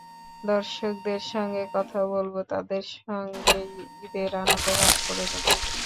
দর্শকদের সঙ্গে কথা বলব, তাদের সঙ্গেই ঈদের আনন্দ ভাগ করে নেব।